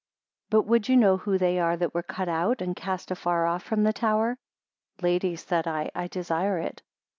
61 But would you know who they are that were cut out, and cast afar off from the tower? Lady said I, I desire it.